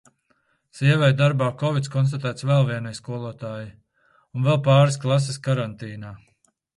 Sievai darbā kovids konstatēts vēl vienai skolotājai. Un vēl pāris klases karantīnā.